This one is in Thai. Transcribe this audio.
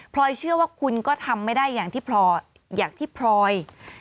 เชื่อว่าคุณก็ทำไม่ได้อย่างที่พลอยอย่างที่พลอย